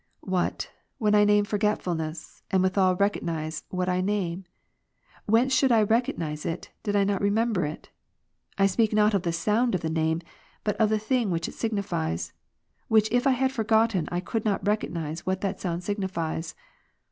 What, when I name forgetfulness, and withal recognize what I name ? whence should I recognize it, did I not rem&mber it ? I si^eak not of the sound of the name, but of the thing which it signifies : which if I had forgotten, I could not recognize what that sound signifies.